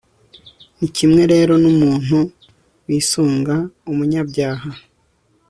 ni kimwe rero n'umuntu wisunga umunyabyaha.